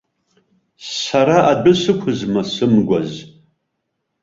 Сара адәы сықәызма сымгәаз!